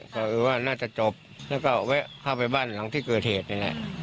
ก็คือว่าน่าจะจบแล้วก็แวะเข้าไปบ้านหลังที่เกิดเหตุนี่แหละ